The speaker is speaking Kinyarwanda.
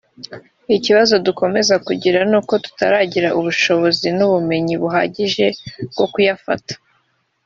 ikibazo dukomeza kugira ni uko tutaragira ubushobozi n’ubumenyi buhagije bwo kuyafata